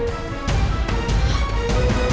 ada apa sih ini